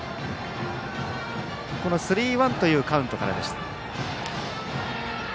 スリーワンというカウントからでした。